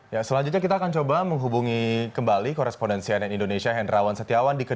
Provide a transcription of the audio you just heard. ya selanjutnya kita akan coba menghubungi kembali koresponden cnn indonesia hendrawan setiawan